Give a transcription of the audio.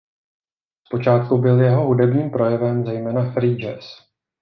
Zpočátku byl jeho hudebním projevem zejména free jazz.